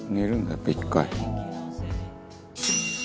やっぱり１回」